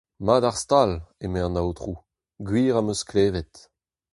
Mat ar stal, eme an aotrou, gwir am eus klevet.